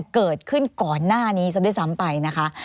เกิดขึ้นก่อนหน้านี้ซะด้วยซ้ำไปนะคะ